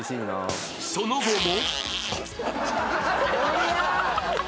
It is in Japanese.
［その後も］